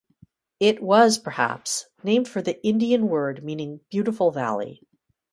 It was perhaps named for the Indian word meaning beautiful valley.